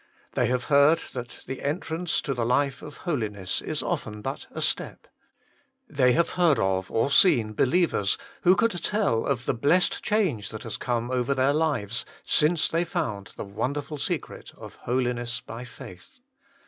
They have heard that the entrance to the life of holiness is often but a step. They have heard of or seen believers who could tell of the blessed change that has come over their lives since they found the wonderful secret of holiness by faith.